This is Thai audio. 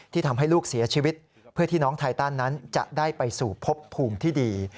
ทำให้ลูกเสียชีวิตเพื่อที่น้องไทตันนั้นจะได้ไปสู่พบภูมิที่ดี